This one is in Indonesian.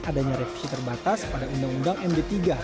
adanya revisi terbatas pada undang undang md tiga